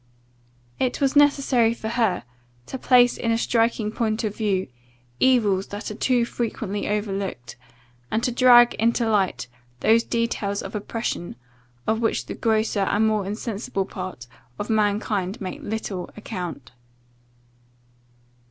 * It was necessary for her, to place in a striking point of view, evils that are too frequently overlooked, and to drag into light those details of oppression, of which the grosser and more insensible part of mankind make little account.